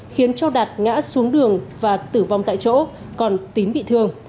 khiến cho đạt ngã xuống đường và tử vong tại chỗ còn tín bị thương